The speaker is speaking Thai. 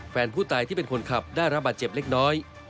แฟนผู้ตายที่เป็นคนขับได้รับบาดเจ็บเล็กน้อย